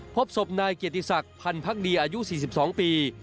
พบศพนายเกียรติศักดิ์พันธ์พักดีอายุ๔๒ปี